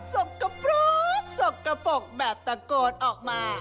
สกปรกสกปรกแบบตะโกดออกมา